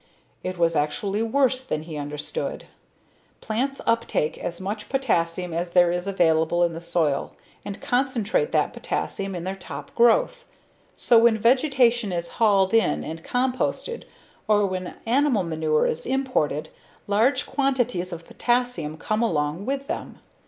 It was actually worse than he understood. Plants uptake as much potassium as there is available in the soil, and concentrate that potassium in their top growth. So when vegetation is hauled in and composted or when animal manure is imported, large quantities of potassium come along with them.